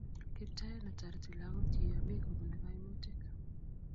kiptayat ne tareti lagok chik ya mi kopune kaimutik